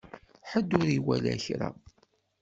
Ḥedd ur iwala kra.